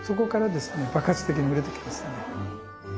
爆発的に売れてきますね。